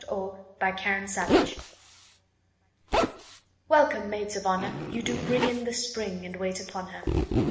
To Violets WELCOME, maids of honour! You do bring In the spring, And wait upon her.